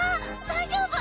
大丈夫？